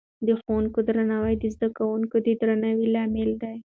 د ښوونکې درناوی د زده کوونکو د درناوي لامل دی.